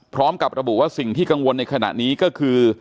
พร้อมกับระบุว่าสิ่งที่กังวลในขณะนี้ก็คือ